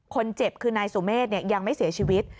คนเจ็บคือนายสุเมฆยังไม่เสียชีวิต